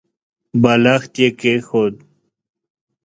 بالښت يې کېښود.